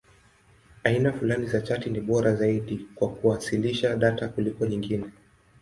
Aina fulani za chati ni bora zaidi kwa kuwasilisha data kuliko nyingine.